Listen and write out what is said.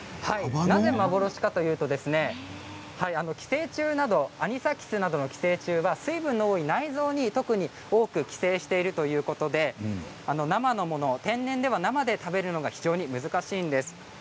なぜ幻かというとアニサキスなどの寄生虫は水分の多い内臓に特に多く寄生しているということで生のもの、天然では生で食べるのが非常に難しいんです。